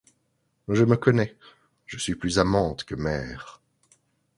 Je me connais, je suis plus amante que mère.